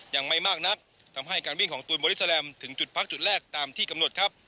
ยังไม่มากนักทำให้การวิ่งของตูนบอดี้แลมถึงจุดพักจุดแรกตามที่กำหนดครับ